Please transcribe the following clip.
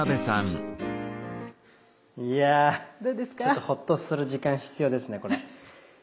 いやちょっとホッとする時間必要ですねこれ。